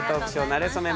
なれそめ」